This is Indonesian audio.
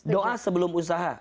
doa sebelum usaha